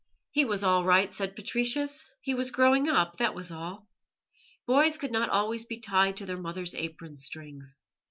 He was all right, said Patricius; he was growing up, that was all. Boys could not always be tied to their mother's apron strings.